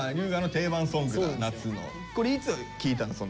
これいつ聴いたの？